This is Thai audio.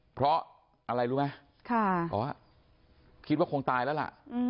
เพราะอะไรรู้ไหมคิดว่าคงตายแล้วล่ะ